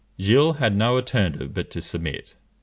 Gilles had no alternative but to submit.